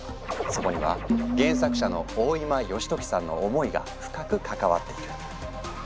そこには原作者の大今良時さんの思いが深く関わっている。